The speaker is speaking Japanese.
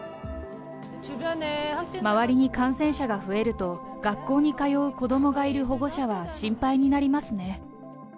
周りに感染者が増えると、学校に通う子どもがいる保護者は心配になりますね。